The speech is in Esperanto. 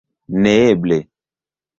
Neeble.